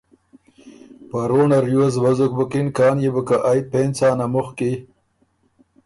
په رُونړه ریوز وزُک بُکِن کان يې بو که ائ پېنځ څانه مُخکی